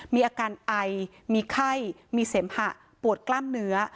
มีอาการไอมีไข้มีเสมหะปวดกล้ามเนื้อ